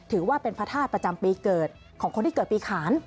ถือว่าเป็นพระธาตุประจำปีเกิดของคนที่เกิดปีขาน